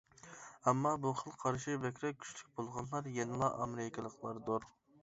ئەمما بۇ خىل قارىشى بەكرەك كۈچلۈك بولغانلار يەنىلا ئامېرىكىلىقلاردۇر.